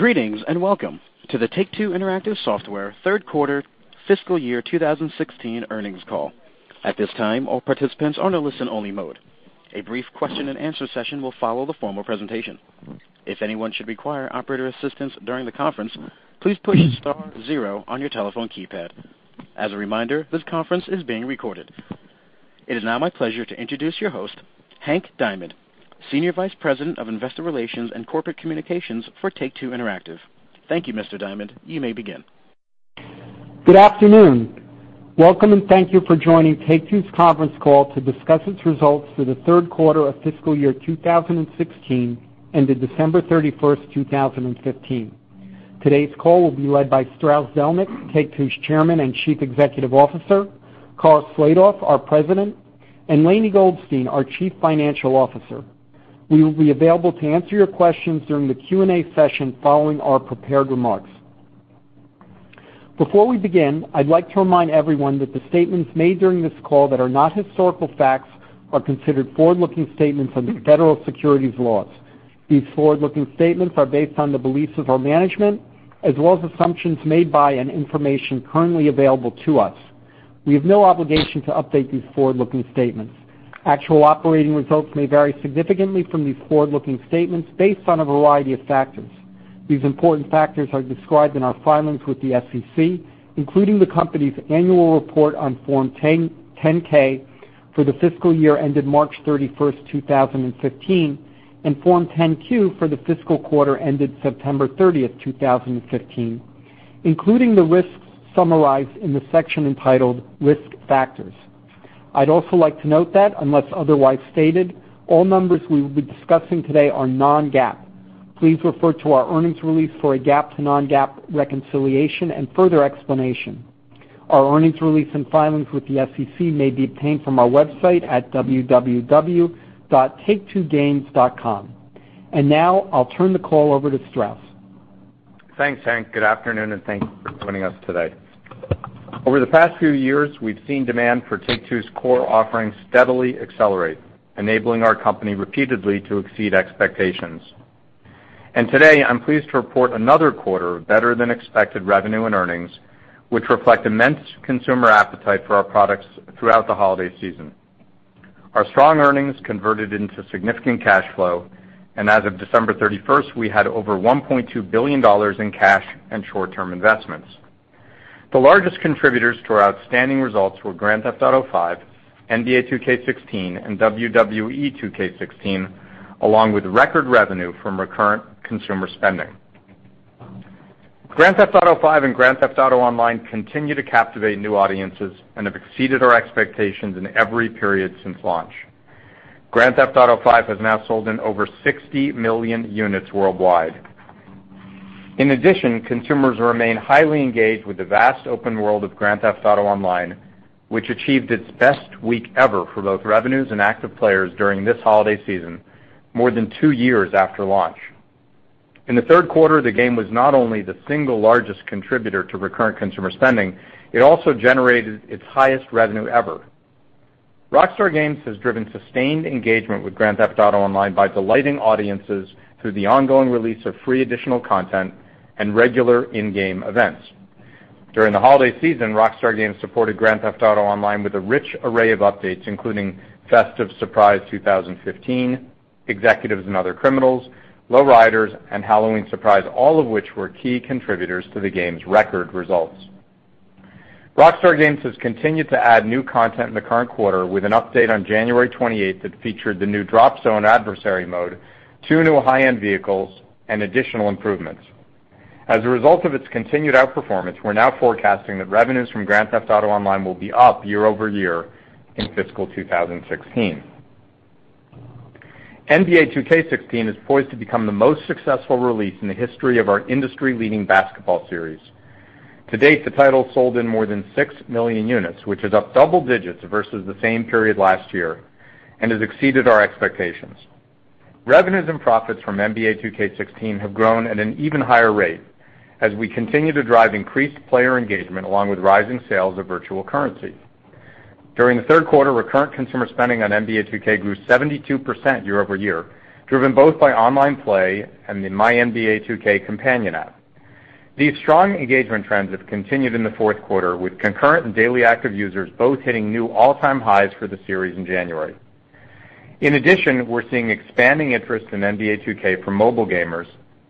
Greetings. Welcome to the Take-Two Interactive Software third quarter fiscal year 2016 earnings call. At this time, all participants are in a listen-only mode. A brief question and answer session will follow the formal presentation. If anyone should require operator assistance during the conference, please push star zero on your telephone keypad. As a reminder, this conference is being recorded. It is now my pleasure to introduce your host, Hank Diamond, Senior Vice President of Investor Relations and Corporate Communications for Take-Two Interactive. Thank you, Mr. Diamond. You may begin. Good afternoon. Welcome. Thank you for joining Take-Two's conference call to discuss its results for the third quarter of fiscal year 2016, ended December 31st, 2015. Today's call will be led by Strauss Zelnick, Take-Two's Chairman and Chief Executive Officer, Karl Slatoff, our President, and Lainie Goldstein, our Chief Financial Officer. We will be available to answer your questions during the Q&A session following our prepared remarks. Before we begin, I'd like to remind everyone that the statements made during this call that are not historical facts are considered forward-looking statements under federal securities laws. These forward-looking statements are based on the beliefs of our management, as well as assumptions made by and information currently available to us. We have no obligation to update these forward-looking statements. Actual operating results may vary significantly from these forward-looking statements based on a variety of factors. These important factors are described in our filings with the SEC, including the company's annual report on Form 10-K for the fiscal year ended March 31st, 2015, and Form 10-Q for the fiscal quarter ended September 30th, 2015, including the risks summarized in the section entitled Risk Factors. I'd also like to note that unless otherwise stated, all numbers we will be discussing today are non-GAAP. Please refer to our earnings release for a GAAP to non-GAAP reconciliation and further explanation. Our earnings release and filings with the SEC may be obtained from our website at www.take2games.com. Now I'll turn the call over to Strauss. Thanks, Hank. Good afternoon. Thank you for joining us today. Over the past few years, we've seen demand for Take-Two's core offerings steadily accelerate, enabling our company repeatedly to exceed expectations. Today, I'm pleased to report another quarter of better than expected revenue and earnings, which reflect immense consumer appetite for our products throughout the holiday season. Our strong earnings converted into significant cash flow, and as of December 31st, we had over $1.2 billion in cash and short-term investments. The largest contributors to our outstanding results were Grand Theft Auto V, NBA 2K16, and WWE 2K16, along with record revenue from recurrent consumer spending. Grand Theft Auto V and Grand Theft Auto Online continue to captivate new audiences and have exceeded our expectations in every period since launch. Grand Theft Auto V has now sold in over 60 million units worldwide. In addition, consumers remain highly engaged with the vast open world of Grand Theft Auto Online, which achieved its best week ever for both revenues and active players during this holiday season, more than two years after launch. In the third quarter, the game was not only the single largest contributor to recurrent consumer spending, it also generated its highest revenue ever. Rockstar Games has driven sustained engagement with Grand Theft Auto Online by delighting audiences through the ongoing release of free additional content and regular in-game events. During the holiday season, Rockstar Games supported Grand Theft Auto Online with a rich array of updates, including Festive Surprise 2015, Executives and Other Criminals, Lowriders, and Halloween Surprise, all of which were key contributors to the game's record results. Rockstar Games has continued to add new content in the current quarter with an update on January 28th that featured the new Drop Zone adversary mode, two new high-end vehicles, and additional improvements. As a result of its continued outperformance, we're now forecasting that revenues from Grand Theft Auto Online will be up year-over-year in fiscal 2016. NBA 2K16 is poised to become the most successful release in the history of our industry-leading basketball series. To date, the title's sold in more than six million units, which is up double digits versus the same period last year and has exceeded our expectations. Revenues and profits from NBA 2K16 have grown at an even higher rate as we continue to drive increased player engagement along with rising sales of virtual currency. During the third quarter, recurrent consumer spending on NBA 2K grew 72% year-over-year, driven both by online play and the MyNBA2K companion app. These strong engagement trends have continued in the fourth quarter, with concurrent and daily active users both hitting new all-time highs for the series in January. In addition, we're seeing expanding interest in NBA 2K from mobile gamers,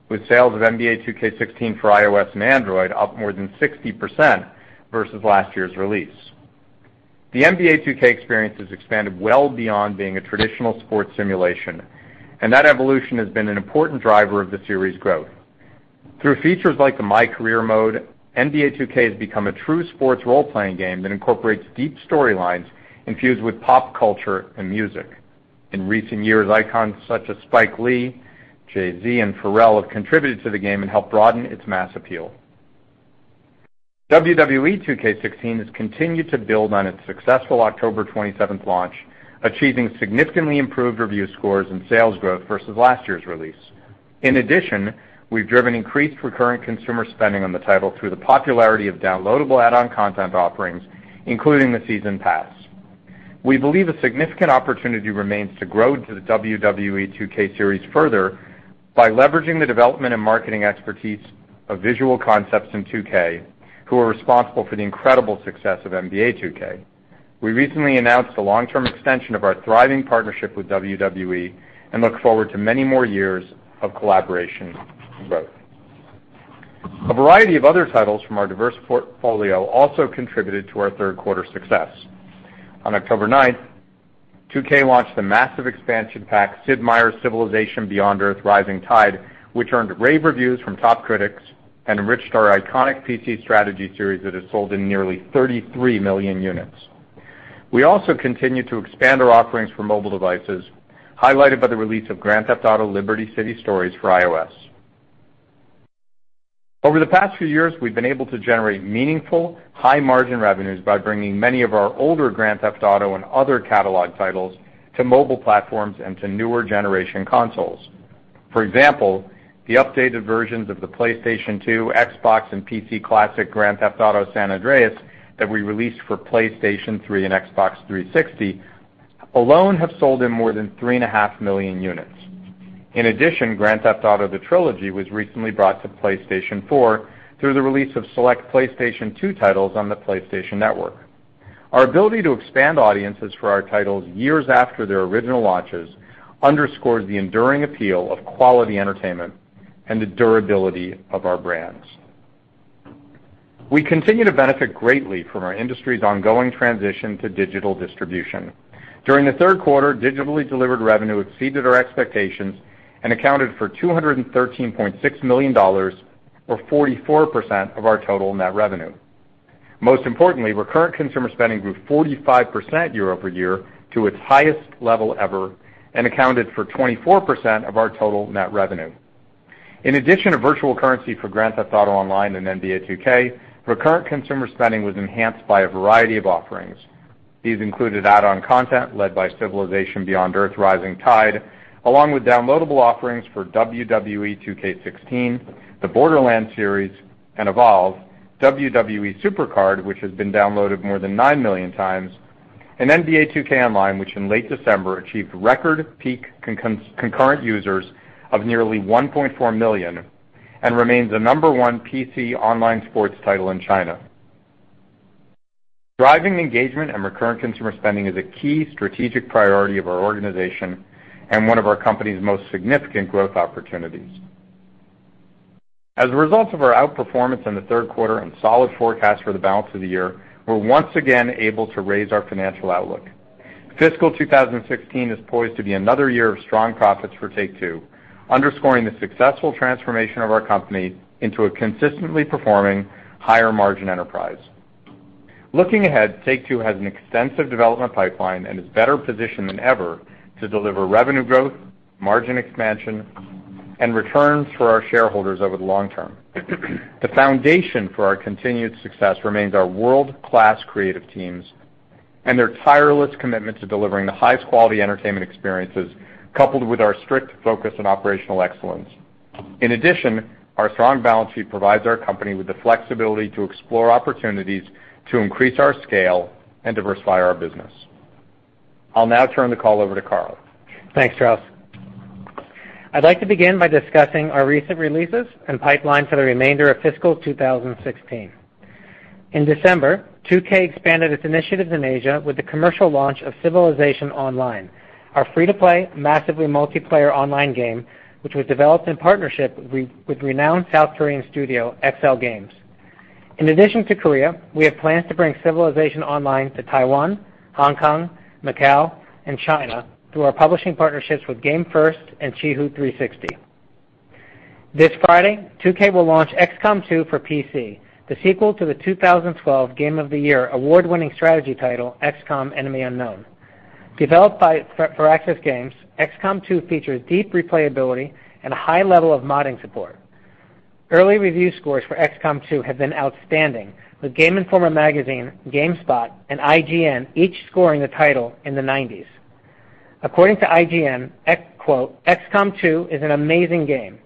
with sales of NBA 2K16 for iOS and Android up more than 60% versus last year's release. The NBA 2K experience has expanded well beyond being a traditional sports simulation, and that evolution has been an important driver of the series' growth. Through features like the MyCAREER mode, NBA 2K has become a true sports role-playing game that incorporates deep storylines infused with pop culture and music. In recent years, icons such as Spike Lee, Jay-Z, and Pharrell have contributed to the game and helped broaden its mass appeal. WWE 2K16 has continued to build on its successful October 27th launch, achieving significantly improved review scores and sales growth versus last year's release. In addition, we've driven increased recurrent consumer spending on the title through the popularity of downloadable add-on content offerings, including the Season Pass. We believe a significant opportunity remains to grow to the WWE 2K series further by leveraging the development and marketing expertise of Visual Concepts in 2K, who are responsible for the incredible success of NBA 2K. We recently announced the long-term extension of our thriving partnership with WWE and look forward to many more years of collaboration and growth. A variety of other titles from our diverse portfolio also contributed to our third quarter success. On October 9th, 2K launched the massive expansion pack, Sid Meier's Civilization: Beyond Earth – Rising Tide, which earned rave reviews from top critics and enriched our iconic PC strategy series that has sold in nearly 33 million units. We also continue to expand our offerings for mobile devices, highlighted by the release of Grand Theft Auto: Liberty City Stories for iOS. Over the past few years, we've been able to generate meaningful high-margin revenues by bringing many of our older Grand Theft Auto and other catalog titles to mobile platforms and to newer generation consoles. For example, the updated versions of the PlayStation 2, Xbox, and PC classic Grand Theft Auto: San Andreas that we released for PlayStation 3 and Xbox 360 alone have sold in more than three and a half million units. Grand Theft Auto: The Trilogy was recently brought to PlayStation 4 through the release of select PlayStation 2 titles on the PlayStation Network. Our ability to expand audiences for our titles years after their original launches underscores the enduring appeal of quality entertainment and the durability of our brands. We continue to benefit greatly from our industry's ongoing transition to digital distribution. During the third quarter, digitally delivered revenue exceeded our expectations and accounted for $213.6 million, or 44% of our total net revenue. Most importantly, recurrent consumer spending grew 45% year-over-year to its highest level ever and accounted for 24% of our total net revenue. In addition to virtual currency for Grand Theft Auto Online and NBA 2K, recurrent consumer spending was enhanced by a variety of offerings. These included add-on content led by Civilization: Beyond Earth – Rising Tide, along with downloadable offerings for WWE 2K16, the Borderlands series, and Evolve, WWE SuperCard, which has been downloaded more than nine million times, and NBA 2K Online, which in late December achieved record peak concurrent users of nearly 1.4 million and remains the number one PC online sports title in China. Driving engagement and recurrent consumer spending is a key strategic priority of our organization and one of our company's most significant growth opportunities. As a result of our outperformance in the third quarter and solid forecast for the balance of the year, we're once again able to raise our financial outlook. Fiscal 2016 is poised to be another year of strong profits for Take-Two, underscoring the successful transformation of our company into a consistently performing higher margin enterprise. Looking ahead, Take-Two has an extensive development pipeline and is better positioned than ever to deliver revenue growth, margin expansion, and returns for our shareholders over the long term. The foundation for our continued success remains our world-class creative teams and their tireless commitment to delivering the highest quality entertainment experiences, coupled with our strict focus on operational excellence. Our strong balance sheet provides our company with the flexibility to explore opportunities to increase our scale and diversify our business. I'll now turn the call over to Karl. Thanks, Strauss. I'd like to begin by discussing our recent releases and pipeline for the remainder of fiscal 2016. In December, 2K expanded its initiatives in Asia with the commercial launch of Civilization Online, our free-to-play massively multiplayer online game, which was developed in partnership with renowned South Korean studio XLGAMES. In addition to Korea, we have plans to bring Civilization Online to Taiwan, Hong Kong, Macau, and China through our publishing partnerships with GamersFirst and Qihoo 360. This Friday, 2K will launch XCOM 2 for PC, the sequel to the 2012 Game of the Year award-winning strategy title, XCOM: Enemy Unknown. Developed by Firaxis Games, XCOM 2 features deep replayability and a high level of modding support. Early review scores for XCOM 2 have been outstanding, with Game Informer, GameSpot, and IGN each scoring the title in the 90s. According to IGN, quote, "XCOM 2 is an amazing game,"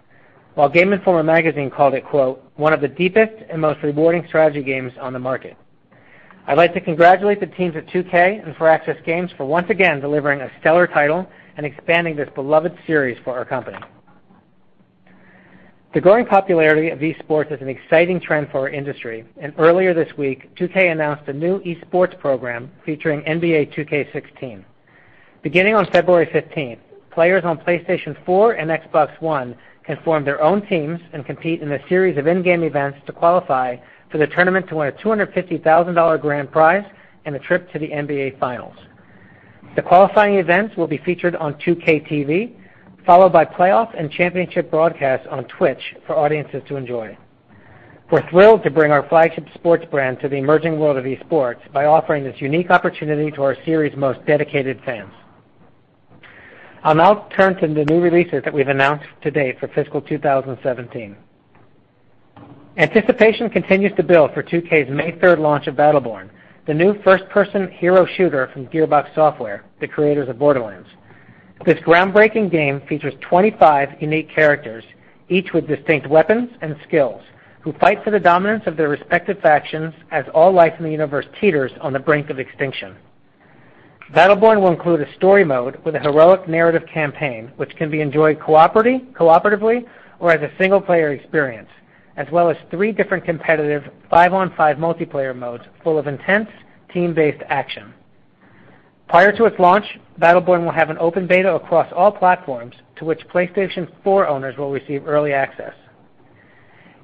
while Game Informer called it, quote, "One of the deepest and most rewarding strategy games on the market." I'd like to congratulate the teams at 2K and Firaxis Games for once again delivering a stellar title and expanding this beloved series for our company. Earlier this week, 2K announced a new esports program featuring NBA 2K16. Beginning on February 15th, players on PlayStation 4 and Xbox One can form their own teams and compete in a series of in-game events to qualify for the tournament to win a $250,000 grand prize and a trip to the NBA Finals. The qualifying events will be featured on 2KTV, followed by playoff and championship broadcasts on Twitch for audiences to enjoy. We're thrilled to bring our flagship sports brand to the emerging world of esports by offering this unique opportunity to our series' most dedicated fans. I'll now turn to the new releases that we've announced to date for fiscal 2017. Anticipation continues to build for 2K's May 3rd launch of Battleborn, the new first-person hero shooter from Gearbox Software, the creators of Borderlands. This groundbreaking game features 25 unique characters, each with distinct weapons and skills, who fight for the dominance of their respective factions as all life in the universe teeters on the brink of extinction. Battleborn will include a story mode with a heroic narrative campaign, which can be enjoyed cooperatively or as a single-player experience, as well as three different competitive five-on-five multiplayer modes full of intense team-based action. Prior to its launch, Battleborn will have an open beta across all platforms to which PlayStation 4 owners will receive early access.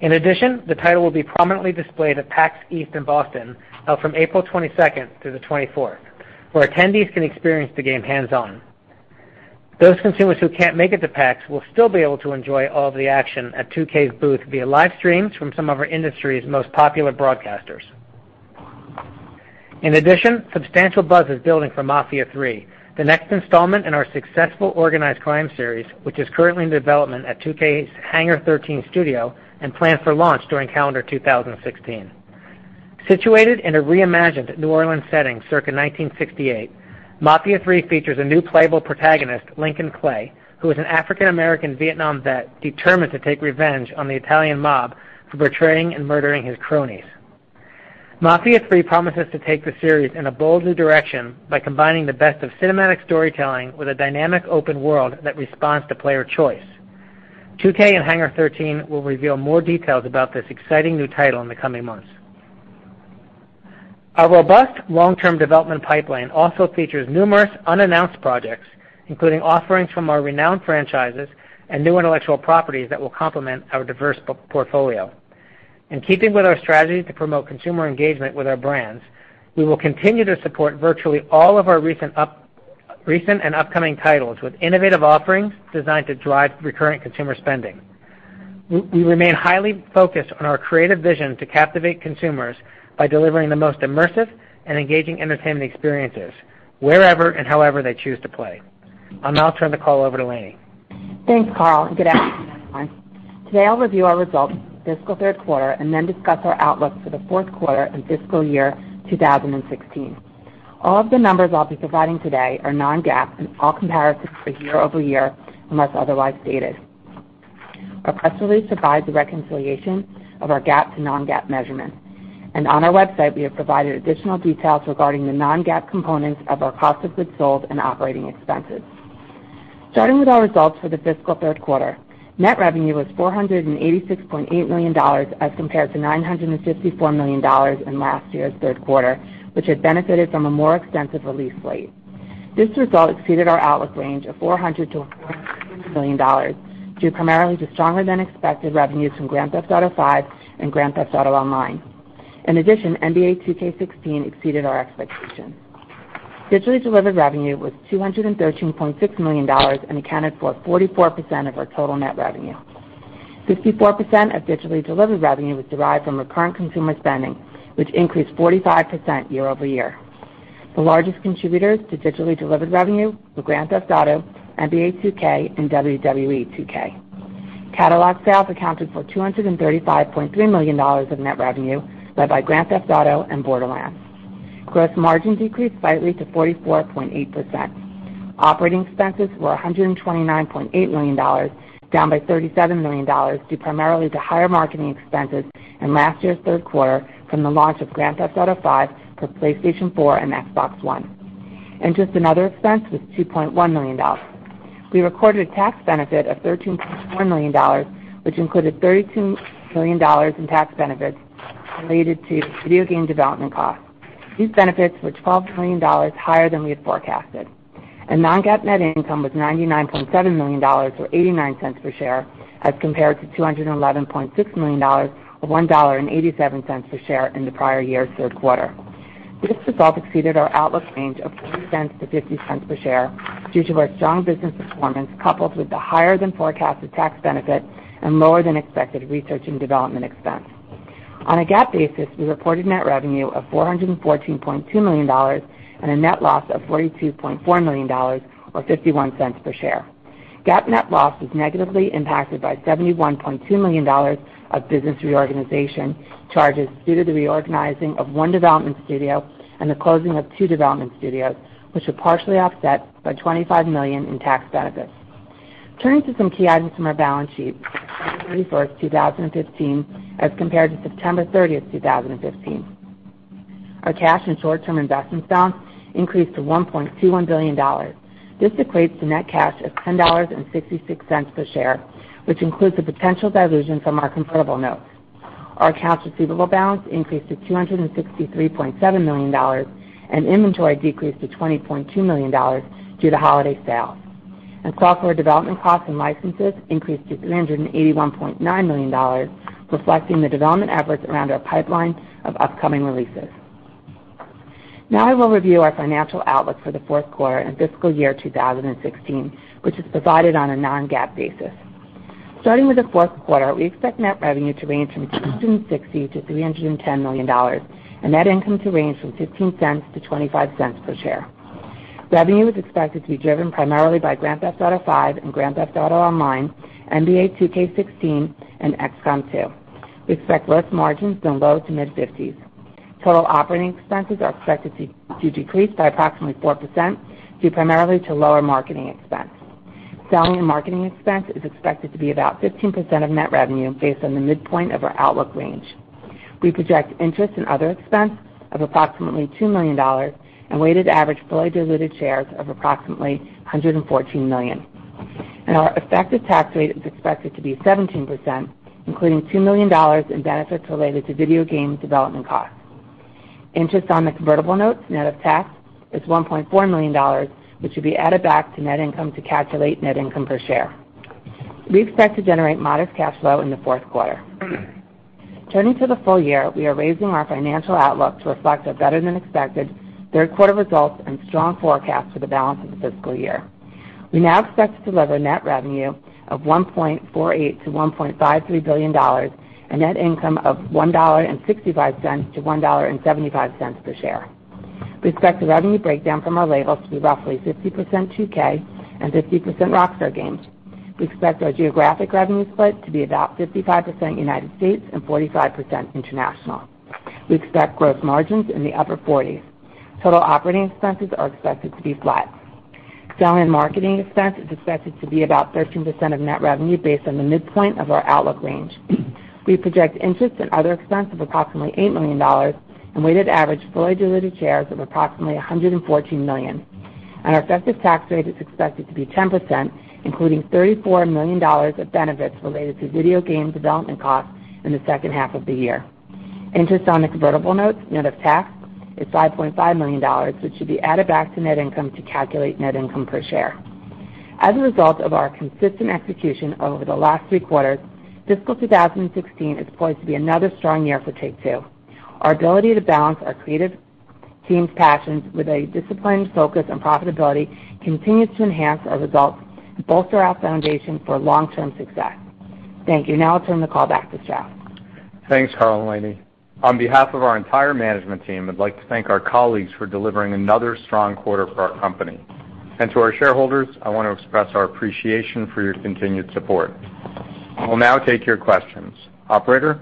The title will be prominently displayed at PAX East in Boston, held from April 22nd through the 24th, where attendees can experience the game hands-on. Those consumers who can't make it to PAX will still be able to enjoy all of the action at 2K's booth via live streams from some of our industry's most popular broadcasters. Substantial buzz is building for Mafia III, the next installment in our successful organized crime series, which is currently in development at 2K's Hangar 13 and planned for launch during calendar 2016. Situated in a reimagined New Orleans setting circa 1968, Mafia III features a new playable protagonist, Lincoln Clay, who is an African American Vietnam vet determined to take revenge on the Italian mob for betraying and murdering his cronies. Mafia III promises to take the series in a bold new direction by combining the best of cinematic storytelling with a dynamic open world that responds to player choice. 2K and Hangar 13 will reveal more details about this exciting new title in the coming months. Our robust long-term development pipeline also features numerous unannounced projects, including offerings from our renowned franchises and new intellectual properties that will complement our diverse portfolio. In keeping with our strategy to promote consumer engagement with our brands, we will continue to support virtually all of our recent and upcoming titles with innovative offerings designed to drive recurrent consumer spending. We remain highly focused on our creative vision to captivate consumers by delivering the most immersive and engaging entertainment experiences wherever and however they choose to play. I'll now turn the call over to Lainie. Thanks, Karl, good afternoon, everyone. Today, I'll review our results for the fiscal third quarter then discuss our outlook for the fourth quarter and fiscal year 2016. All of the numbers I'll be providing today are non-GAAP and all comparisons are year-over-year, unless otherwise stated. Our press release provides a reconciliation of our GAAP to non-GAAP measurements, on our website, we have provided additional details regarding the non-GAAP components of our cost of goods sold and operating expenses. Starting with our results for the fiscal third quarter, net revenue was $486.8 million as compared to $954 million in last year's third quarter, which had benefited from a more extensive release slate. This result exceeded our outlook range of $400 million-$410 million due primarily to stronger-than-expected revenues from Grand Theft Auto V and Grand Theft Auto Online. In addition, NBA 2K16 exceeded our expectations. Digitally delivered revenue was $213.6 million accounted for 44% of our total net revenue. 64% of digitally delivered revenue was derived from recurrent consumer spending, which increased 45% year-over-year. The largest contributors to digitally delivered revenue were Grand Theft Auto, NBA 2K, and WWE 2K. Catalog sales accounted for $235.3 million of net revenue, led by Grand Theft Auto and Borderlands. Gross margin decreased slightly to 44.8%. Operating expenses were $129.8 million, down by $37 million, due primarily to higher marketing expenses in last year's third quarter from the launch of Grand Theft Auto V for PlayStation 4 and Xbox One. Interest and other expense was $2.1 million. We recorded a tax benefit of $13.4 million, which included $32 million in tax benefits related to video game development costs. These benefits were $12 million higher than we had forecasted. Non-GAAP net income was $99.7 million, or $0.89 per share, as compared to $211.6 million, or $1.87 per share in the prior year's third quarter. This result exceeded our outlook range of $0.40 to $0.50 per share due to our strong business performance, coupled with the higher-than-forecasted tax benefit and lower-than-expected research and development expense. On a GAAP basis, we reported net revenue of $414.2 million and a net loss of $42.4 million, or $0.51 per share. GAAP net loss was negatively impacted by $71.2 million of business reorganization charges due to the reorganizing of one development studio and the closing of two development studios, which were partially offset by $25 million in tax benefits. Turning to some key items from our balance sheet as of December 31st, 2015, as compared to September 30th, 2015. Our cash and short-term investment balance increased to $1.21 billion. This equates to net cash of $10.66 per share, which includes the potential dilution from our convertible notes. Our accounts receivable balance increased to $263.7 million, and inventory decreased to $20.2 million due to holiday sales. Software development costs and licenses increased to $381.9 million, reflecting the development efforts around our pipeline of upcoming releases. Now I will review our financial outlook for the fourth quarter and fiscal year 2016, which is provided on a non-GAAP basis. Starting with the fourth quarter, we expect net revenue to range from $260 million-$310 million, and net income to range from $0.15-$0.25 per share. Revenue is expected to be driven primarily by Grand Theft Auto V and Grand Theft Auto Online, NBA 2K16, and XCOM 2. We expect gross margins from low to mid-50s. Total operating expenses are expected to decrease by approximately 4%, due primarily to lower marketing expense. Selling and marketing expense is expected to be about 15% of net revenue based on the midpoint of our outlook range. We project interest in other expense of approximately $2 million and weighted average fully diluted shares of approximately 114 million. Our effective tax rate is expected to be 17%, including $2 million in benefits related to video game development costs. Interest on the convertible notes, net of tax, is $1.4 million, which should be added back to net income to calculate net income per share. We expect to generate modest cash flow in the fourth quarter. Turning to the full year, we are raising our financial outlook to reflect a better-than-expected third quarter results and strong forecast for the balance of the fiscal year. We now expect to deliver net revenue of $1.48 billion-$1.53 billion and net income of $1.65-$1.75 per share. We expect the revenue breakdown from our labels to be roughly 50% 2K and 50% Rockstar Games. We expect our geographic revenue split to be about 55% United States and 45% international. We expect growth margins in the upper 40s. Total operating expenses are expected to be flat. Selling and marketing expense is expected to be about 13% of net revenue based on the midpoint of our outlook range. We project interest in other expense of approximately $8 million and weighted average fully diluted shares of approximately 114 million. Our effective tax rate is expected to be 10%, including $34 million of benefits related to video game development costs in the second half of the year. Interest on the convertible notes, net of tax, is $5.5 million, which should be added back to net income to calculate net income per share. As a result of our consistent execution over the last three quarters, fiscal 2016 is poised to be another strong year for Take-Two. Our ability to balance our creative team's passions with a disciplined focus on profitability continues to enhance our results and bolster our foundation for long-term success. Thank you. Now I'll turn the call back to Strauss. Thanks, Karl and Lainie. On behalf of our entire management team, I'd like to thank our colleagues for delivering another strong quarter for our company. To our shareholders, I want to express our appreciation for your continued support. We'll now take your questions. Operator?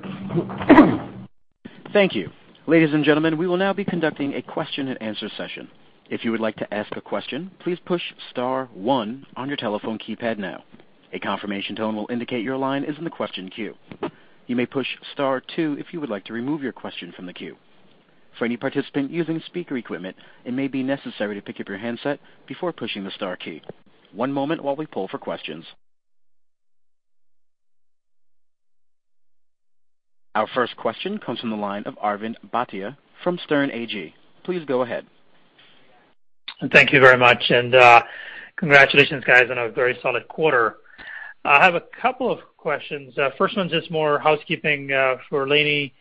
Thank you. Ladies and gentlemen, we will now be conducting a question and answer session. If you would like to ask a question, please push star one on your telephone keypad now. A confirmation tone will indicate your line is in the question queue. You may push star two if you would like to remove your question from the queue. For any participant using speaker equipment, it may be necessary to pick up your handset before pushing the star key. One moment while we pull for questions. Our first question comes from the line of Arvind Bhatia from Sterne Agee. Please go ahead. Thank you very much. Congratulations, guys, on a very solid quarter. I have a couple of questions. First one's just more housekeeping for Lainie.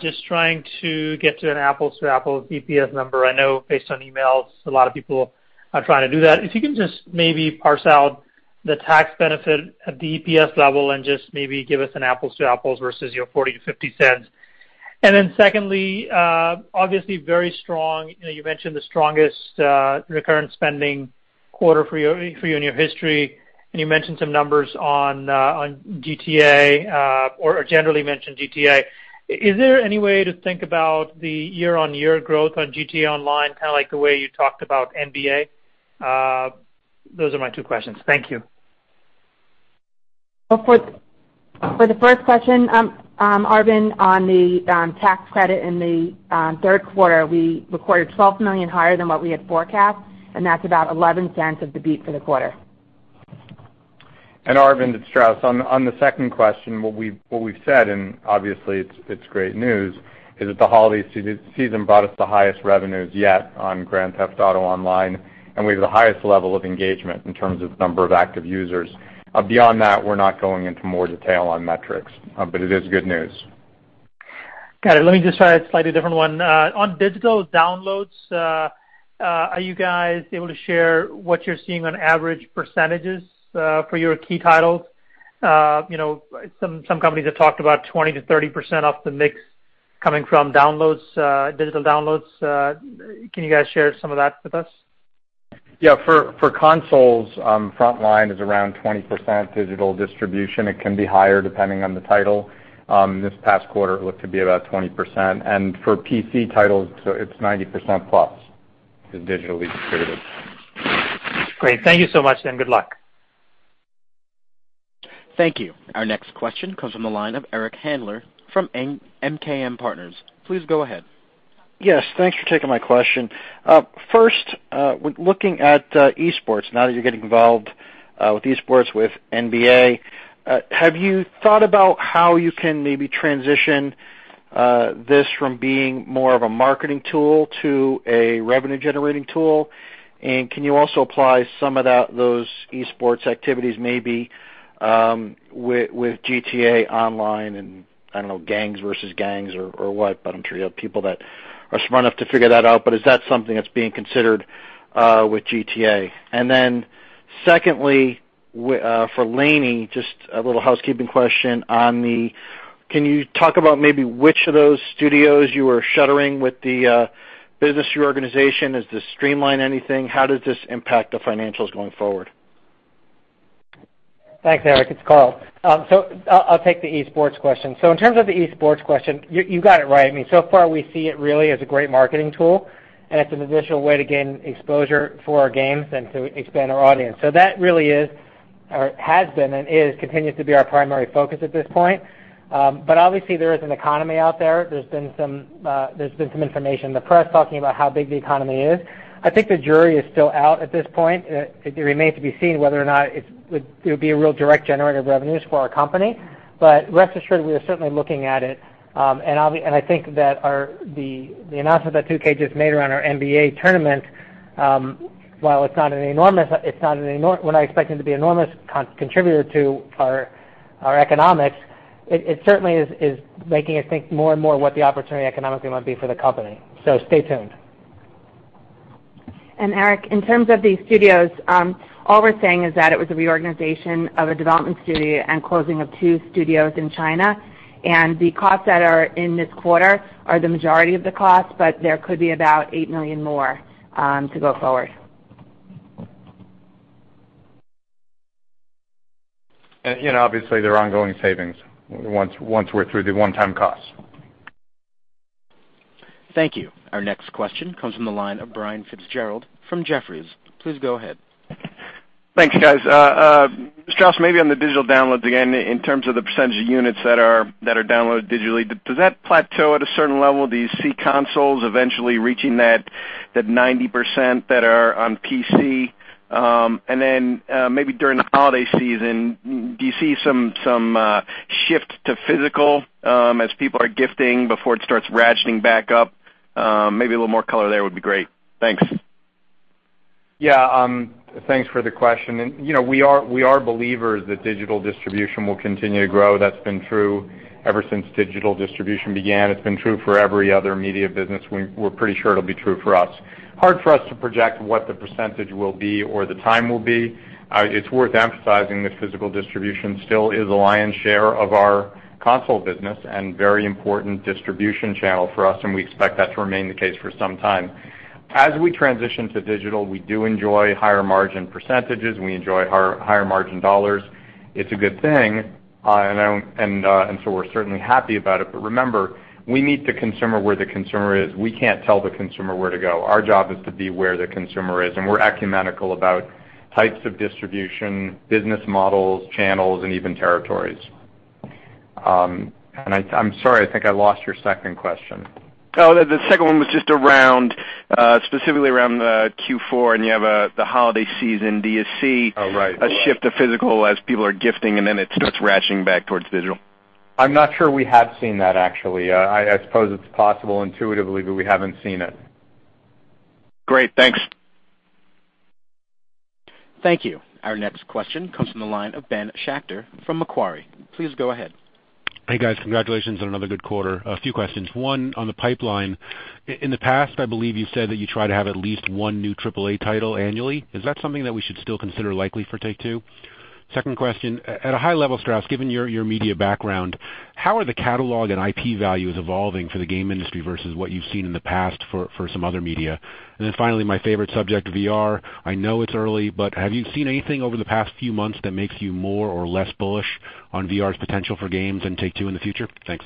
Just trying to get to an apples-to-apples EPS number. I know based on emails, a lot of people are trying to do that. If you can just maybe parse out the tax benefit at the EPS level and just maybe give us an apples-to-apples versus your $0.40-$0.50. Secondly, obviously very strong. You mentioned the strongest recurrent spending quarter for you in your history, and you mentioned some numbers on GTA or generally mentioned GTA. Is there any way to think about the year-on-year growth on GTA Online, kind of like the way you talked about NBA? Those are my two questions. Thank you. For the first question, Arvind, on the tax credit in the third quarter, we recorded $12 million higher than what we had forecast, that's about $0.11 of the beat for the quarter. Arvind, it's Strauss. On the second question, what we've said, and obviously it's great news, is that the holiday season brought us the highest revenues yet on Grand Theft Auto Online, and we have the highest level of engagement in terms of number of active users. Beyond that, we're not going into more detail on metrics, but it is good news. Got it. Let me just try a slightly different one. On digital downloads, are you guys able to share what you're seeing on average percentages for your key titles? Some companies have talked about 20%-30% of the mix coming from digital downloads. Can you guys share some of that with us? Yeah. For consoles, frontline is around 20% digital distribution. It can be higher depending on the title. This past quarter, it looked to be about 20%. For PC titles, it's 90% plus is digitally distributed. Great. Thank you so much, and good luck. Thank you. Our next question comes from the line of Eric Handler from MKM Partners. Please go ahead. Yes, thanks for taking my question. First, looking at esports, now that you're getting involved with esports with NBA, have you thought about how you can maybe transition this from being more of a marketing tool to a revenue-generating tool? Can you also apply some of those esports activities maybe with GTA Online and, I don't know, gangs versus gangs or what, but I'm sure you have people that are smart enough to figure that out. Is that something that's being considered with GTA? Secondly, for Lainie, just a little housekeeping question. Can you talk about maybe which of those studios you are shuttering with the business reorganization? Does this streamline anything? How does this impact the financials going forward? Thanks, Eric. It's Karl. I'll take the esports question. In terms of the esports question, you got it right. So far, we see it really as a great marketing tool, and it's an additional way to gain exposure for our games and to expand our audience. That really has been and continues to be our primary focus at this point. Obviously, there is an economy out there. There's been some information in the press talking about how big the economy is. I think the jury is still out at this point. It remains to be seen whether or not it would be a real direct generator of revenues for our company. Rest assured, we are certainly looking at it. I think that the announcement that 2K just made around our NBA tournament, while it's not what I expect it to be an enormous contributor to our economics, it certainly is making us think more and more what the opportunity economically might be for the company. Stay tuned. Eric, in terms of the studios, all we're saying is that it was a reorganization of a development studio and closing of two studios in China. The costs that are in this quarter are the majority of the cost, but there could be about $8 million more to go forward. Obviously, there are ongoing savings once we're through the one-time costs. Thank you. Our next question comes from the line of Brian Fitzgerald from Jefferies. Please go ahead. Thanks, guys. Strauss, maybe on the digital downloads again, in terms of the percentage of units that are downloaded digitally, does that plateau at a certain level? Do you see consoles eventually reaching that 90% that are on PC? Maybe during the holiday season, do you see some shift to physical as people are gifting before it starts ratcheting back up? Maybe a little more color there would be great. Thanks. Yeah. Thanks for the question. We are believers that digital distribution will continue to grow. That's been true ever since digital distribution began. It's been true for every other media business. We're pretty sure it'll be true for us. Hard for us to project what the percentage will be or the time will be. It's worth emphasizing that physical distribution still is the lion's share of our console business and a very important distribution channel for us, and we expect that to remain the case for some time. As we transition to digital, we do enjoy higher margin percentages, and we enjoy higher margin dollars. It's a good thing, we're certainly happy about it. Remember, we meet the consumer where the consumer is. We can't tell the consumer where to go. Our job is to be where the consumer is, and we're ecumenical about types of distribution, business models, channels, and even territories. I'm sorry, I think I lost your second question. Oh, the second one was just specifically around the Q4, and you have the holiday season. Oh, right a shift to physical as people are gifting, and then it starts ratcheting back towards digital? I'm not sure we have seen that, actually. I suppose it's possible intuitively, but we haven't seen it. Great. Thanks. Thank you. Our next question comes from the line of Ben Schachter from Macquarie. Please go ahead. Hey, guys. Congratulations on another good quarter. A few questions. One, on the pipeline. In the past, I believe you said that you try to have at least one new AAA title annually. Is that something that we should still consider likely for Take-Two? Second question, at a high level, Strauss, given your media background, how are the catalog and IP values evolving for the game industry versus what you've seen in the past for some other media? Finally, my favorite subject, VR. I know it's early, but have you seen anything over the past few months that makes you more or less bullish on VR's potential for games and Take-Two in the future? Thanks.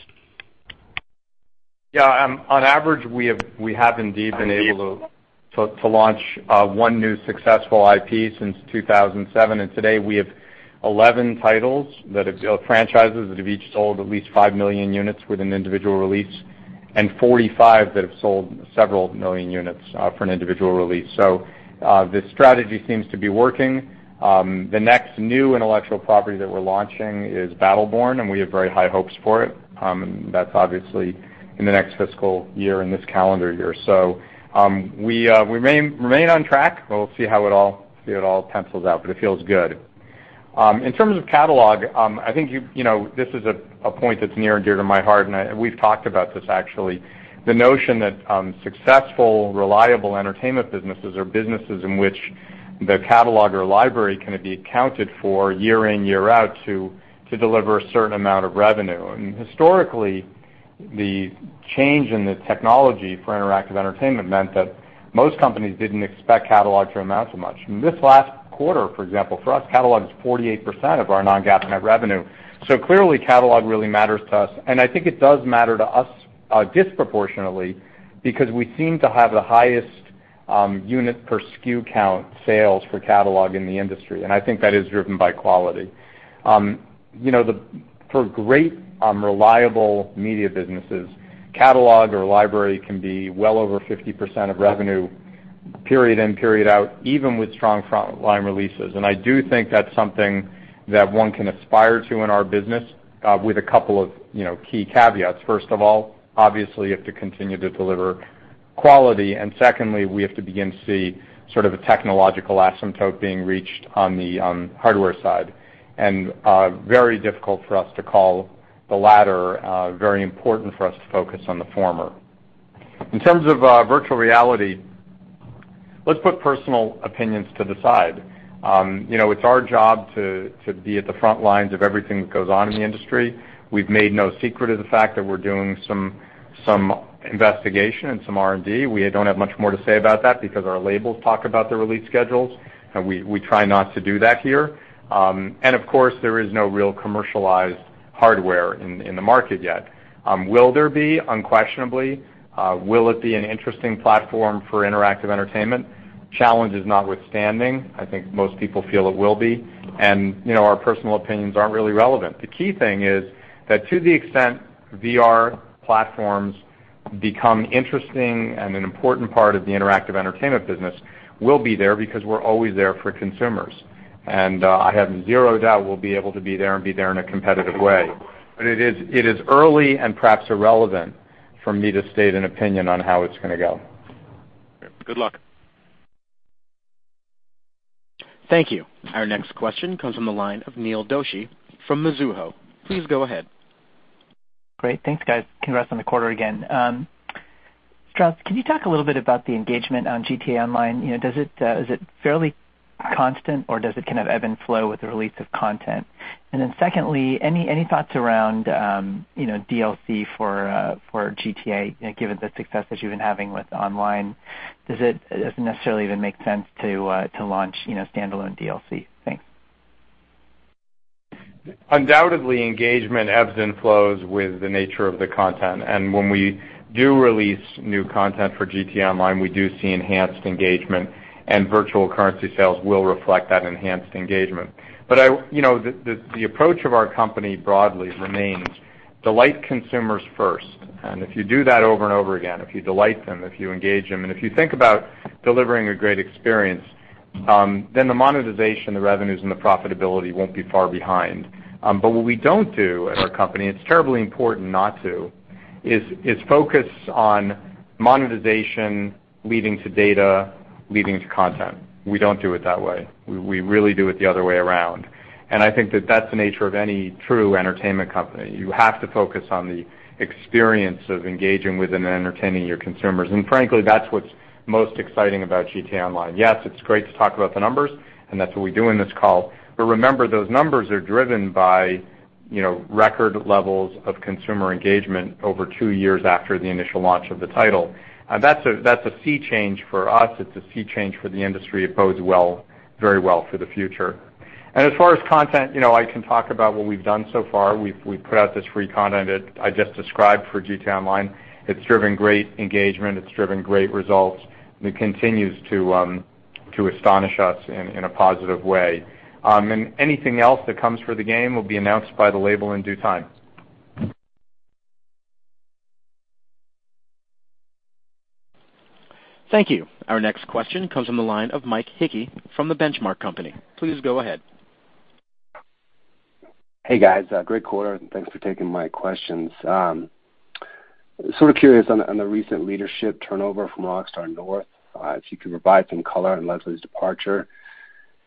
Yeah. On average, we have indeed been able to launch one new successful IP since 2007. Today we have 11 franchises that have each sold at least five million units with an individual release and 45 that have sold several million units for an individual release. The strategy seems to be working. The next new intellectual property that we're launching is "Battleborn." We have very high hopes for it. That's obviously in the next fiscal year in this calendar year. We remain on track. We'll see how it all pencils out, but it feels good. In terms of catalog, I think this is a point that's near and dear to my heart. We've talked about this, actually. The notion that successful, reliable entertainment businesses are businesses in which the catalog or library can be accounted for year in, year out to deliver a certain amount of revenue. Historically, the change in the technology for interactive entertainment meant that most companies didn't expect catalog to amount to much. In this last quarter, for example, for us, catalog is 48% of our non-GAAP net revenue. Clearly, catalog really matters to us. I think it does matter to us disproportionately because we seem to have the highest unit per SKU count sales for catalog in the industry. I think that is driven by quality. For great, reliable media businesses, catalog or library can be well over 50% of revenue period in, period out, even with strong frontline releases. I do think that's something that one can aspire to in our business with a couple of key caveats. First of all, obviously, you have to continue to deliver quality. Secondly, we have to begin to see sort of a technological asymptote being reached on the hardware side. Very difficult for us to call the latter, very important for us to focus on the former. In terms of virtual reality, let's put personal opinions to the side. It's our job to be at the front lines of everything that goes on in the industry. We've made no secret of the fact that we're doing some investigation and some R&D. We don't have much more to say about that because our labels talk about the release schedules, and we try not to do that here. Of course, there is no real commercialized hardware in the market yet. Will there be? Unquestionably. Will it be an interesting platform for interactive entertainment? Challenges notwithstanding, I think most people feel it will be. Our personal opinions aren't really relevant. The key thing is that to the extent VR platforms become interesting and an important part of the interactive entertainment business, we'll be there because we're always there for consumers. I have zero doubt we'll be able to be there and be there in a competitive way. It is early and perhaps irrelevant for me to state an opinion on how it's going to go. Good luck. Thank you. Our next question comes from the line of Neil Doshi from Mizuho. Please go ahead. Great. Thanks, guys. Congrats on the quarter again. Strauss, can you talk a little bit about the engagement on GTA Online? Is it fairly constant or does it kind of ebb and flow with the release of content? Secondly, any thoughts around DLC for GTA, given the success that you've been having with online? Does it necessarily even make sense to launch standalone DLC? Thanks. Undoubtedly, engagement ebbs and flows with the nature of the content. When we do release new content for GTA Online, we do see enhanced engagement. Virtual currency sales will reflect that enhanced engagement. The approach of our company broadly remains delight consumers first. If you do that over and over again, if you delight them, if you engage them, if you think about delivering a great experience, then the monetization, the revenues, the profitability won't be far behind. What we don't do at our company, it's terribly important not to, is focus on monetization leading to data, leading to content. We don't do it that way. We really do it the other way around. I think that that's the nature of any true entertainment company. You have to focus on the experience of engaging with and entertaining your consumers. Frankly, that's what's most exciting about GTA Online. Yes, it's great to talk about the numbers. That's what we do in this call. Remember, those numbers are driven by record levels of consumer engagement over two years after the initial launch of the title. That's a sea change for us. It's a sea change for the industry. It bodes very well for the future. As far as content, I can talk about what we've done so far. We've put out this free content I just described for GTA Online. It's driven great engagement, it's driven great results. It continues to astonish us in a positive way. Anything else that comes for the game will be announced by the label in due time. Thank you. Our next question comes from the line of Mike Hickey from The Benchmark Company. Please go ahead. Hey, guys, great quarter. Thanks for taking my questions. Sort of curious on the recent leadership turnover from Rockstar North, if you could provide some color on Leslie's departure.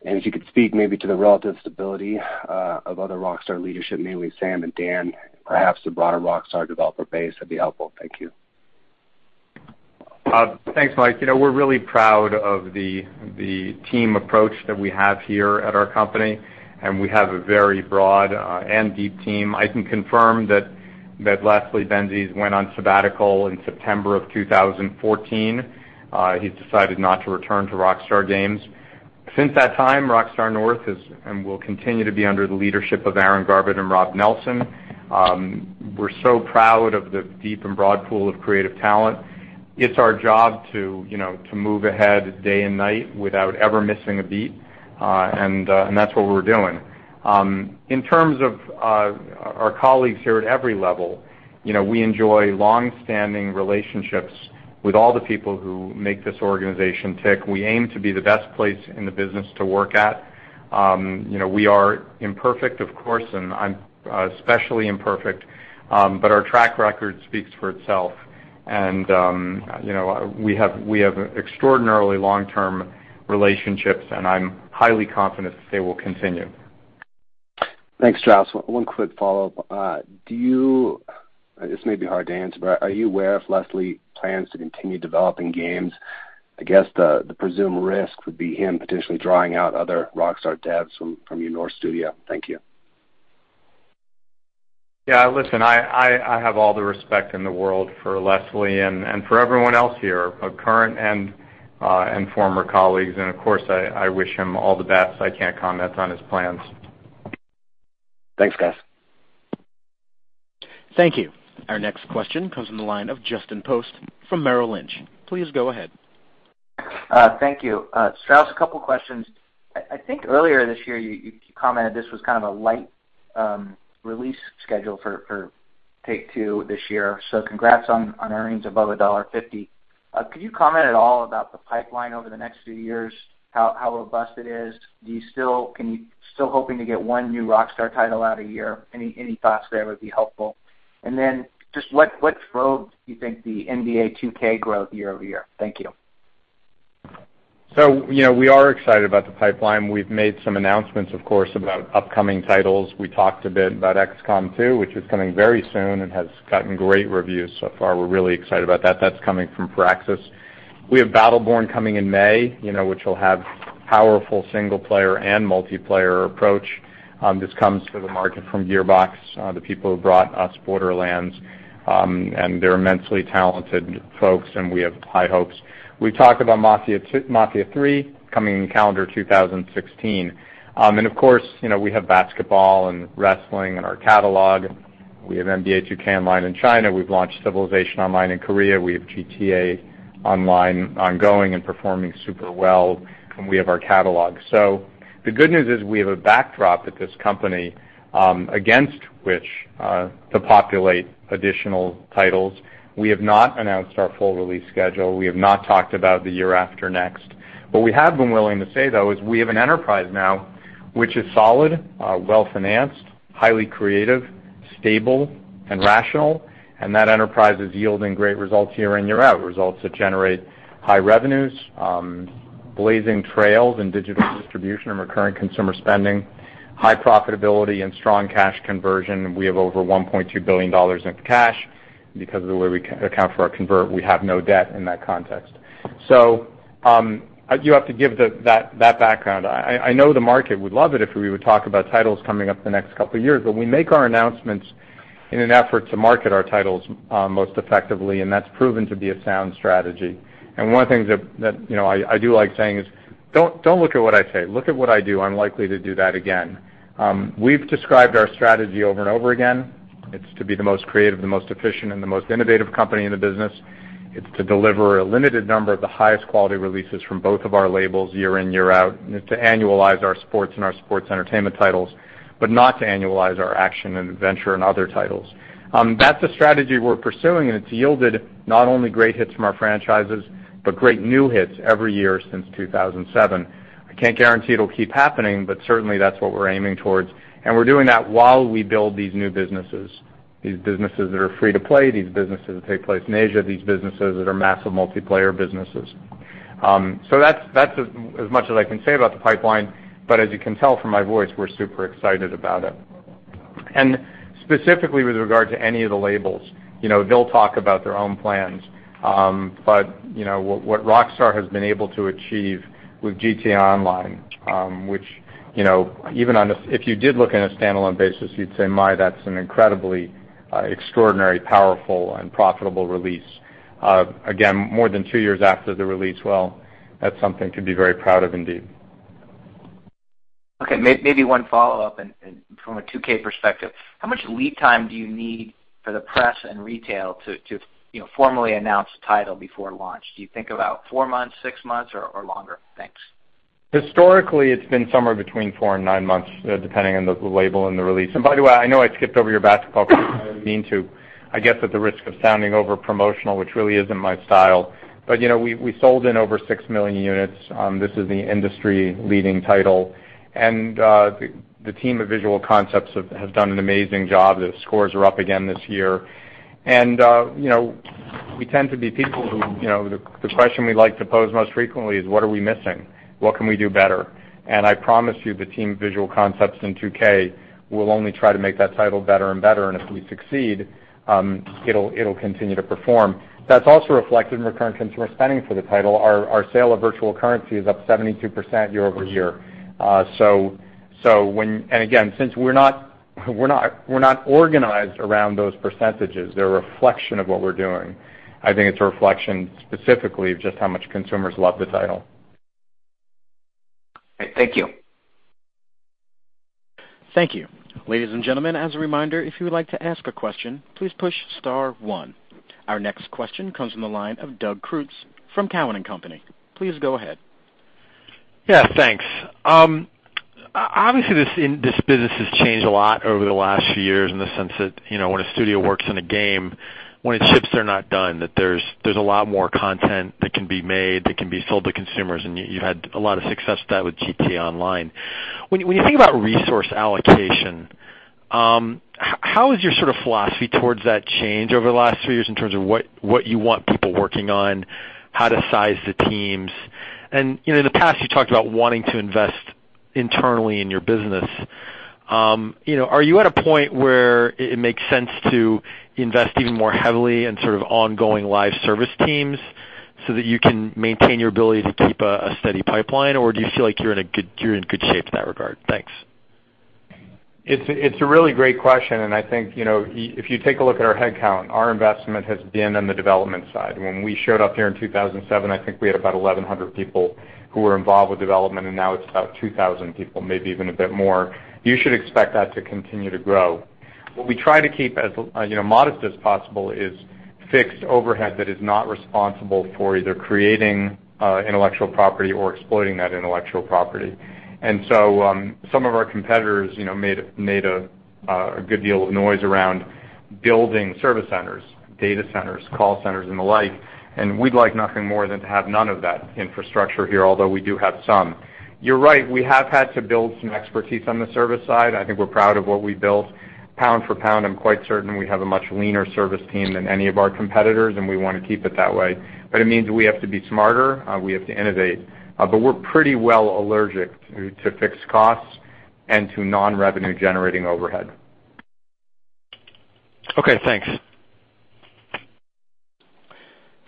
If you could speak maybe to the relative stability of other Rockstar leadership, mainly Sam and Dan, perhaps the broader Rockstar developer base, that'd be helpful. Thank you. Thanks, Mike. We're really proud of the team approach that we have here at our company, and we have a very broad and deep team. I can confirm that Leslie Benzies went on sabbatical in September of 2014. He's decided not to return to Rockstar Games. Since that time, Rockstar North is and will continue to be under the leadership of Aaron Garbut and Rob Nelson. We're so proud of the deep and broad pool of creative talent. It's our job to move ahead day and night without ever missing a beat, and that's what we're doing. In terms of our colleagues here at every level, we enjoy long-standing relationships with all the people who make this organization tick. We aim to be the best place in the business to work at. We are imperfect, of course, and I'm especially imperfect, but our track record speaks for itself, and we have extraordinarily long-term relationships, and I'm highly confident that they will continue. Thanks, Strauss. One quick follow-up. This may be hard to answer, but are you aware if Leslie plans to continue developing games? I guess the presumed risk would be him potentially drawing out other Rockstar devs from your North studio. Thank you. listen, I have all the respect in the world for Leslie and for everyone else here, both current and former colleagues, and of course, I wish him all the best. I can't comment on his plans. Thanks, guys. Thank you. Our next question comes from the line of Justin Post from Merrill Lynch. Please go ahead. Thank you. Strauss, a couple questions. I think earlier this year you commented this was kind of a light release schedule for Take-Two this year. Congrats on earnings above $1.50. Could you comment at all about the pipeline over the next few years, how robust it is? Are you still hoping to get one new Rockstar title out a year? Any thoughts there would be helpful. Just what drove, do you think, the NBA 2K growth year-over-year? Thank you. We are excited about the pipeline. We've made some announcements, of course, about upcoming titles. We talked a bit about XCOM 2, which is coming very soon and has gotten great reviews so far. We're really excited about that. That's coming from Firaxis. We have Battleborn coming in May, which will have powerful single-player and multiplayer approach. This comes to the market from Gearbox, the people who brought us Borderlands, and they're immensely talented folks, and we have high hopes. We've talked about Mafia III coming in calendar 2016. Of course, we have basketball and wrestling in our catalog. We have NBA 2K Online in China. We've launched Civilization Online in Korea. We have GTA Online ongoing and performing super well, and we have our catalog. The good news is we have a backdrop at this company against which to populate additional titles. We have not announced our full release schedule. We have not talked about the year after next. What we have been willing to say, though, is we have an enterprise now, which is solid, well-financed, highly creative, stable, and rational, and that enterprise is yielding great results year in, year out, results that generate high revenues, blazing trails in digital distribution and recurring consumer spending, high profitability, and strong cash conversion. We have over $1.2 billion in cash because of the way we account for our convert. We have no debt in that context. You have to give that background. I know the market would love it if we would talk about titles coming up the next couple of years, but we make our announcements in an effort to market our titles most effectively, and that's proven to be a sound strategy. One of the things that I do like saying is, "Don't look at what I say. Look at what I do. I'm likely to do that again." We've described our strategy over and over again. It's to be the most creative, the most efficient, and the most innovative company in the business. It's to deliver a limited number of the highest quality releases from both of our labels year in, year out, and it's to annualize our sports and our sports entertainment titles, but not to annualize our action and adventure and other titles. That's a strategy we're pursuing, and it's yielded not only great hits from our franchises, but great new hits every year since 2007. I can't guarantee it'll keep happening, but certainly, that's what we're aiming towards. We're doing that while we build these new businesses, these businesses that are free to play, these businesses that take place in Asia, these businesses that are massive multiplayer businesses. That's as much as I can say about the pipeline. As you can tell from my voice, we're super excited about it. Specifically, with regard to any of the labels, they'll talk about their own plans. What Rockstar has been able to achieve with GTA Online, which if you did look at a standalone basis, you'd say, "My, that's an incredibly extraordinary, powerful, and profitable release." Again, more than two years after the release, well, that's something to be very proud of indeed. Okay, maybe one follow-up, from a 2K perspective. How much lead time do you need for the press and retail to formally announce a title before launch? Do you think about four months, six months, or longer? Thanks. Historically, it's been somewhere between four and nine months, depending on the label and the release. By the way, I know I skipped over your basketball question. I didn't mean to. I guess at the risk of sounding over-promotional, which really isn't my style. We sold in over six million units. This is the industry-leading title, the team of Visual Concepts have done an amazing job. The scores are up again this year. We tend to be people who the question we like to pose most frequently is, what are we missing? What can we do better? I promise you, the team Visual Concepts and 2K will only try to make that title better and better, and if we succeed, it'll continue to perform. That's also reflected in recurring consumer spending for the title. Our sale of virtual currency is up 72% year-over-year. Again, since we're not organized around those percentages, they're a reflection of what we're doing. I think it's a reflection specifically of just how much consumers love the title. Great. Thank you. Thank you. Ladies and gentlemen, as a reminder, if you would like to ask a question, please push star one. Our next question comes from the line of Doug Creutz from Cowen and Company. Please go ahead. Yeah, thanks. Obviously, this business has changed a lot over the last few years in the sense that when a studio works on a game, when it ships, they're not done, that there's a lot more content that can be made, that can be sold to consumers, and you've had a lot of success with that with Grand Theft Auto Online. When you think about resource allocation, how has your sort of philosophy towards that changed over the last few years in terms of what you want people working on, how to size the teams? In the past, you talked about wanting to invest internally in your business. Are you at a point where it makes sense to invest even more heavily in sort of ongoing live service teams so that you can maintain your ability to keep a steady pipeline? Do you feel like you're in good shape in that regard? Thanks. It's a really great question. I think if you take a look at our headcount, our investment has been in the development side. When we showed up here in 2007, I think we had about 1,100 people who were involved with development, and now it's about 2,000 people, maybe even a bit more. You should expect that to continue to grow. What we try to keep as modest as possible is fixed overhead that is not responsible for either creating intellectual property or exploiting that intellectual property. Some of our competitors made a good deal of noise around building service centers, data centers, call centers, and the like, and we'd like nothing more than to have none of that infrastructure here, although we do have some. You're right, we have had to build some expertise on the service side. I think we're proud of what we built. Pound for pound, I'm quite certain we have a much leaner service team than any of our competitors, and we want to keep it that way. It means we have to be smarter, we have to innovate. We're pretty well allergic to fixed costs and to non-revenue-generating overhead. Okay, thanks.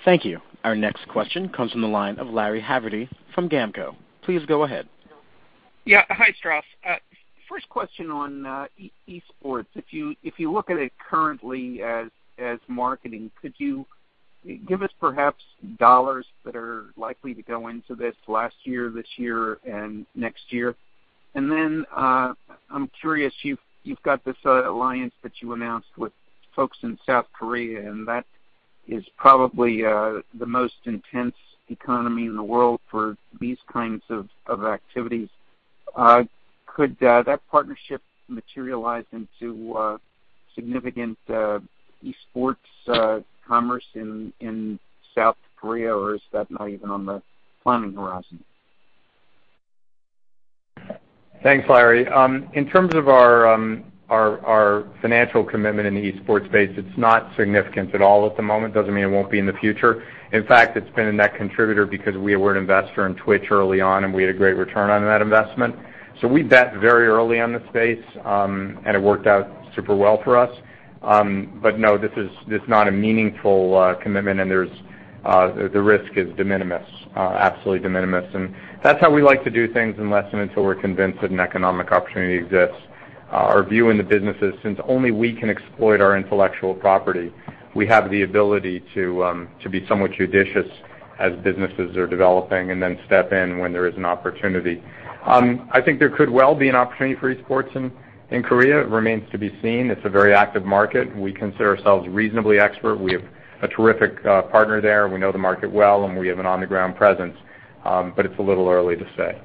Thank you. Our next question comes from the line of Larry Haverty from GAMCO. Please go ahead. Yeah. Hi, Strauss. First question on esports. If you look at it currently as marketing, could you give us perhaps dollars that are likely to go into this last year, this year and next year? I'm curious, you've got this alliance that you announced with folks in South Korea, and that is probably the most intense economy in the world for these kinds of activities. Could that partnership materialize into significant esports commerce in South Korea? Is that not even on the planning horizon? Thanks, Larry. In terms of our financial commitment in the esports space, it's not significant at all at the moment. Doesn't mean it won't be in the future. In fact, it's been a net contributor because we were an investor in Twitch early on, and we had a great return on that investment. We bet very early on the space, and it worked out super well for us. No, this is not a meaningful commitment, and the risk is de minimis. Absolutely de minimis. That's how we like to do things, unless and until we're convinced that an economic opportunity exists. Our view in the business is since only we can exploit our intellectual property, we have the ability to be somewhat judicious as businesses are developing and then step in when there is an opportunity. I think there could well be an opportunity for esports in Korea. It remains to be seen. It's a very active market, and we consider ourselves reasonably expert. We have a terrific partner there. We know the market well, and we have an on-the-ground presence. It's a little early to say.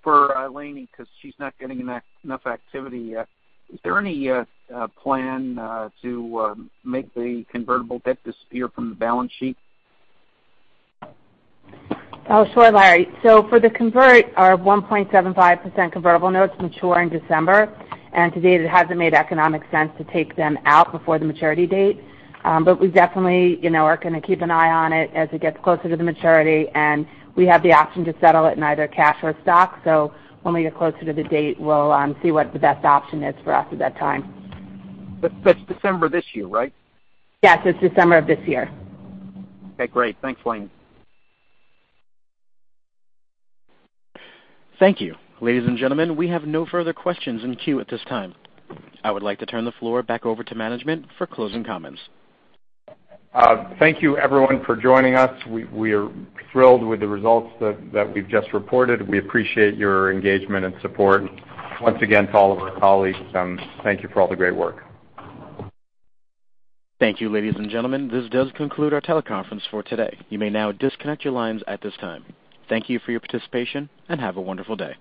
For Lainie, because she's not getting enough activity yet. Is there any plan to make the convertible debt disappear from the balance sheet? Oh, sure, Larry. For the convert, our 1.75% convertible notes mature in December, and to date, it hasn't made economic sense to take them out before the maturity date. We definitely are going to keep an eye on it as it gets closer to the maturity, and we have the option to settle it in either cash or stock. When we get closer to the date, we'll see what the best option is for us at that time. That's December this year, right? Yes, it's December of this year. Okay, great. Thanks, Lainie. Thank you. Ladies and gentlemen, we have no further questions in queue at this time. I would like to turn the floor back over to management for closing comments. Thank you, everyone, for joining us. We are thrilled with the results that we've just reported. We appreciate your engagement and support. Once again, to all of our colleagues, thank you for all the great work. Thank you, ladies and gentlemen, this does conclude our teleconference for today. You may now disconnect your lines at this time. Thank you for your participation, and have a wonderful day.